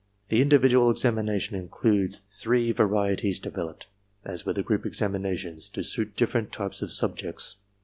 The individual examination includes three varieties de veloped, as were the group examinations, to suit different types of subjects.